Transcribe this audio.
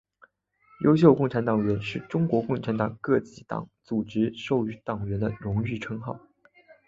优秀共产党员是中国共产党各级党组织授予党员的荣誉称号。